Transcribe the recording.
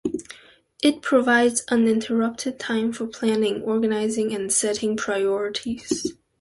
It provides uninterrupted time for planning, organizing, and setting priorities.